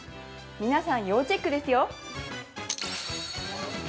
皆さん、要チェックですよ。